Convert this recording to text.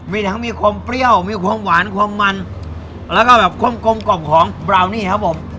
มีทั้งมีความเปรี้ยวมีความหวานความมันแล้วก็แบบกลมกล่อมของบราวนี่ครับผม